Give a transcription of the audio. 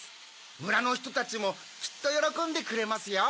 むらのひとたちもきっとよろこんでくれますよ。